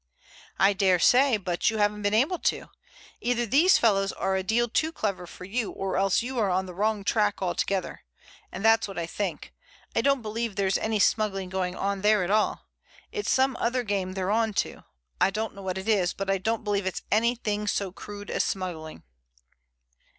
"I dare say, but you haven't been able to. Either these fellows are a deal too clever for you, or else you are on the wrong track altogether. And that's what I think. I don't believe there's any smuggling going on there at all. It's some other game they're on to. I don't know what it is, but I don't believe it's anything so crude as smuggling."